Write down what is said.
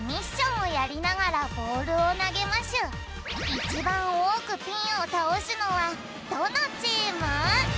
いちばんおおくピンをたおすのはどのチーム？